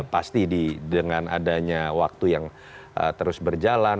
pasti dengan adanya waktu yang terus berjalan